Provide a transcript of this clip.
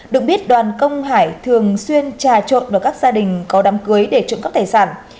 được biết đoàn công hải thường xuyên trà trộn vào các gia đình có đám cưới để trộm cắp tài sản